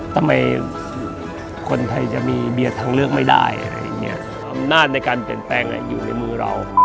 ทำไมคนไทยจะมีเบียร์ทางเลือกไม่ได้อะไรอย่างนี้อำนาจในการเปลี่ยนแปลงอยู่ในมือเรา